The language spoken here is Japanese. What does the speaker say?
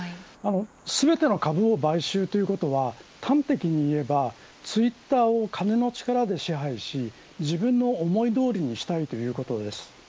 全ての株を買収ということは端的に言えばツイッターを金の力で支配し自分の思いどおりにしたいということです。